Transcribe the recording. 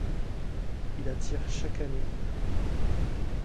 Il attire chaque année.